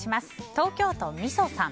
東京都の方。